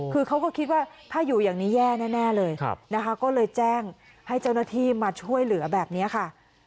คือเขาก็คิดว่าถ้าอยู่อย่างนี้แย่แน่เลยนะคะก็เลยแจ้งให้เจ้าหน้าที่มาช่วยเหลือแบบนี้ค่ะ